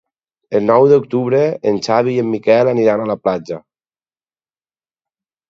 El nou d'octubre en Xavi i en Miquel aniran a la platja.